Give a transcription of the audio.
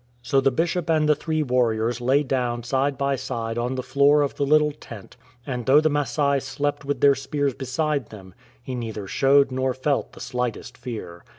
So the Bishop and the thi*ee warriors lay down side by side on the floor of the little tent, and though the Masai slept with their spears beside them, he neither showed nor felt the slight est fear.